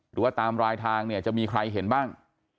หรือว่าตามรายทางเนี่ยจะมีใครเห็นบ้าง